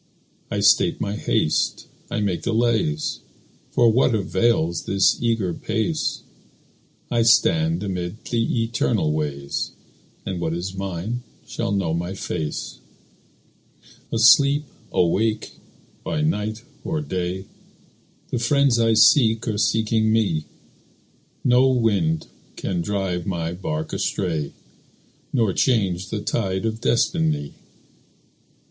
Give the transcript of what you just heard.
I stay my haste, I make delays, For what avails this eager pace? I stand amid the eternal ways, And what is mine shall know my face. Asleep, awake, by night or day The friends I seek are seeking me; No wind can drive my bark astray, Nor change the tide of destiny.